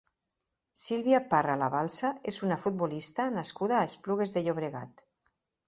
Silvia Parra Labalsa és una futbolista nascuda a Esplugues de Llobregat.